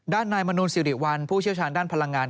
ด้านนายมนูลซิลดิวัลผู้เชี่ยวชาญด้านพลังงาน